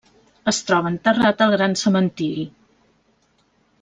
Es troba enterrat al Gran Cementiri.